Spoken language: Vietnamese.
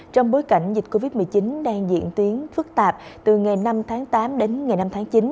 trong bối cảnh dịch covid một mươi chín đang diễn biến phức tạp từ ngày năm tháng tám đến ngày năm tháng chín